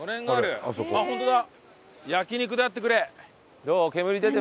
あっホントだ！